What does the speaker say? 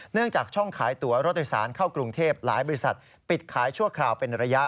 จากช่องขายตัวรถโดยสารเข้ากรุงเทพหลายบริษัทปิดขายชั่วคราวเป็นระยะ